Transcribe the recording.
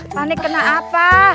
panik kena apa